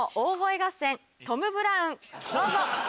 どうぞ。